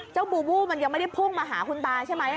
บูบูมันยังไม่ได้พุ่งมาหาคุณตาใช่ไหม